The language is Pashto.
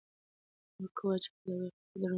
مه کوه چې په ډکه خېټه دروند ورزش وکړې.